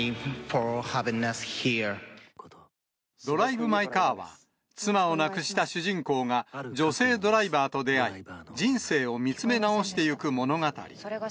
ドライブ・マイ・カーは妻を亡くした主人公が、女性ドライバーと出会い、人生を見つめ直していく物語。